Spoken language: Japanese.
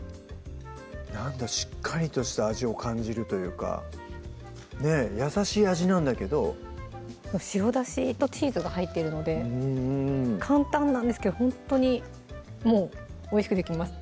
なんかしっかりとした味を感じるというか優しい味なんだけど白だしとチーズが入ってるので簡単なんですけどほんとにもうおいしくできます